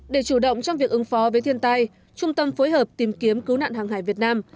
để chủ động trong việc ứng phó với thiên tai trung tâm phối hợp tìm kiếm cứu nạn hàng hải việt nam